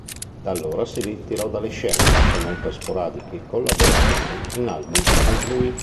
Da allora si ritirò dalle scene, se non per sporadiche collaborazioni in album altrui.